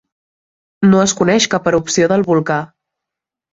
No es coneix cap erupció del volcà.